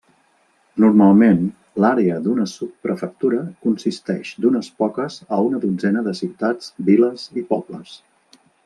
Normalment, l'àrea d'una subprefectura consisteix d'unes poques a una dotzena de ciutats, viles i pobles.